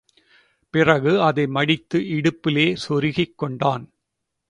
பிறகு அதை மடித்து இடுப்பிலே சொருகிக் கொண்டான்.